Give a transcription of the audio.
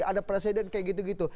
ada presiden kayak gitu gitu